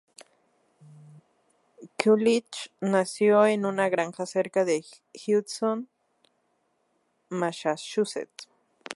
Coolidge nació en una granja cerca de Hudson, Massachusetts.